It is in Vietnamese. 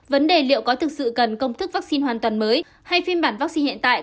vấn đề liệu có thực sự cần công thức vaccine hoàn toàn mới hay phiên bản vaccine hiện tại